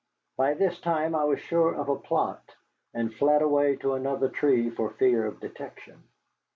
By this time I was sure of a plot, and fled away to another tree for fear of detection.